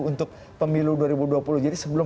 untuk pemilu dua ribu dua puluh jadi sebelum